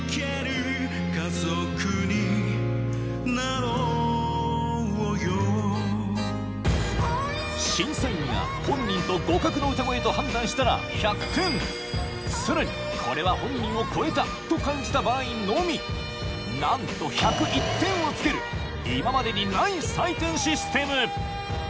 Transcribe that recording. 家族になろうよ審査員が本人と互角の歌声と判断したら１００点さらにこれは本人を超えたと感じた場合のみなんと１０１点をつける今までにない採点システム！